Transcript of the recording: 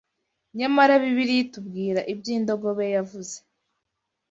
Nyamara Bibiliya itubwira iby’indogobe yavuze.